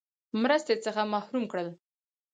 مرستې څخه محروم کړل.